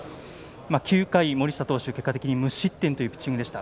９回、森下投手無失点というピッチングでした。